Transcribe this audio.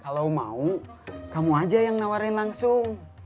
kalau mau kamu aja yang nawarin langsung